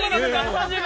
◆３０秒。